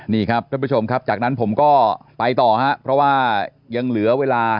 นี่ครับท่านผู้ชมครับจากนั้นผมก็ไปต่อครับเพราะว่ายังเหลือเวลา